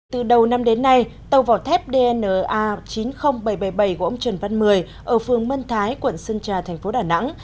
từ đầu năm đến nay tàu vỏ thép dna chín mươi nghìn bảy trăm bảy mươi bảy của ông trần văn mười ở phường mân thái quận sơn trà thành phố đà nẵng